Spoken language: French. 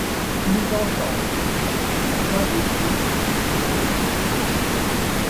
Qui nous enchante ; et n'a qu'un défaut, durer peu